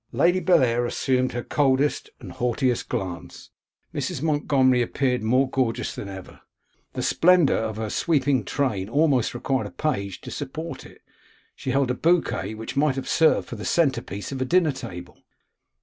Lady Bellair assumed her coldest and haughtiest glance. Mrs. Montgomery appeared more gorgeous than ever. The splendour of her sweeping train almost required a page to support it; she held a bouquet which might have served for the centre piece of a dinner table.